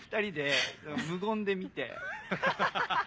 ハハハハ。